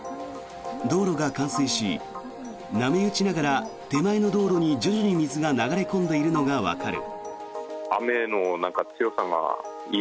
道路が冠水し波打ちながら手前の道路に徐々に水が流れ込んでいるのがわかる。